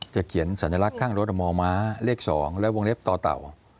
เขียนสัญลักษณ์ข้างรถม้าเลข๒และวงเล็บต่อเต่า